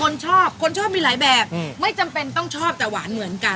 คนชอบคนชอบมีหลายแบบไม่จำเป็นต้องชอบแต่หวานเหมือนกัน